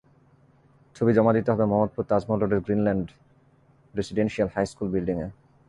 ছবি জমা দিতে হবে মোহাম্মদপুর তাজমহল রোডের গ্রিনল্যান্ড রেসিডেনসিয়াল হাইস্কুল বিল্ডিংয়ে।